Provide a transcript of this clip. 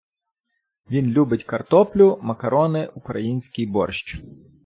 Він любить картоплю, макарони, український борщ.